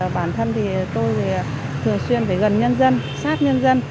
bản thân thì tôi thường xuyên phải gần nhân dân sát nhân dân